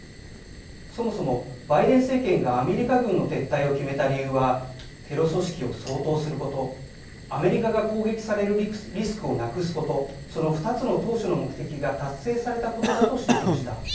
そもそもバイデン政権がアメリカ軍の撤退を決めた理由は、テロ組織を掃討すること、アメリカが攻撃されるリスクをなくすこと、その２つの当初の目的が達成されたことだと指摘しました。